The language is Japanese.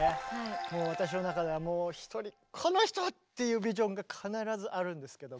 もう私の中ではひとりこの人！っていうビジョンが必ずあるんですけども。